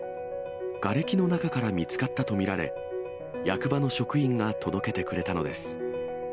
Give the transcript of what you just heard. がれきの中から見つかったと見られ、役場の職員が届けてくれたのです。